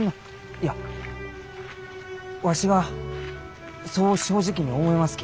いやわしはそう正直に思いますき。